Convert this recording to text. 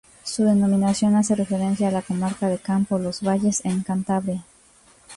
Su denominación hace referencia a la Comarca de Campoo-Los Valles, en Cantabria.